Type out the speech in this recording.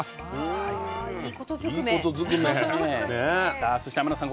さあそして天野さん